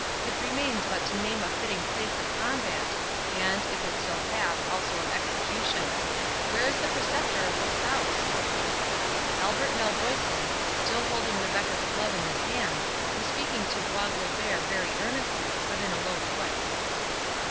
It remains but to name a fitting place of combat, and, if it so hap, also of execution.—Where is the Preceptor of this house?" Albert Malvoisin, still holding Rebecca's glove in his hand, was speaking to Bois Guilbert very earnestly, but in a low voice.